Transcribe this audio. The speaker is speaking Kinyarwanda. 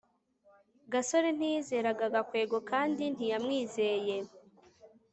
gasore ntiyizeraga gakwego kandi ntiyamwizeye